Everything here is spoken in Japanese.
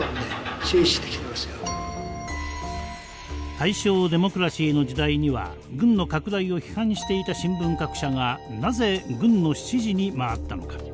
大正デモクラシーの時代には軍の拡大を批判していた新聞各社がなぜ軍の支持に回ったのか。